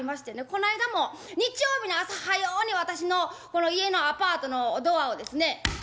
この間も日曜日の朝早うに私の家のアパートのドアをですね。